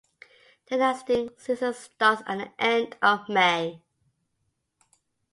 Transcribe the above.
The nesting season starts at the end of May.